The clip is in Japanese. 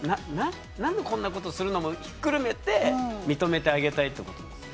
何でこんなことするの？もひっくるめて認めてあげたいってことですよね。